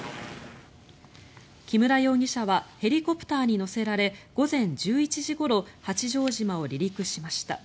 木村容疑者はヘリコプターに乗せられ午前１１時ごろ八丈島を離陸しました。